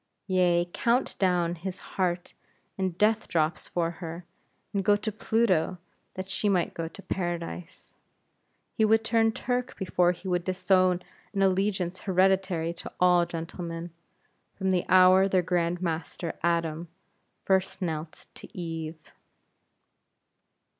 Yea, count down his heart in death drops for her; and go to Pluto, that she might go to Paradise. He would turn Turk before he would disown an allegiance hereditary to all gentlemen, from the hour their Grand Master, Adam, first knelt to Eve.